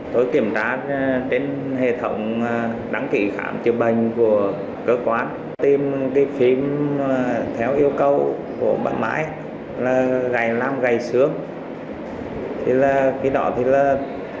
tôi kiểm tra trên hệ thống đăng ký khám chữa bệnh của cơ quan tìm phim theo yêu cầu của bà mãi là gãy làm gãy xương